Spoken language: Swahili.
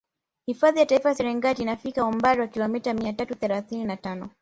Hifadhi ya Taifa ya Serengeti inafikika umbali wa kilomita mia tatu thelasini na tano